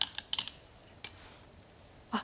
あっ！